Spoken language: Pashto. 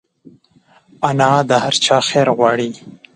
انا د هر چا خیر غواړي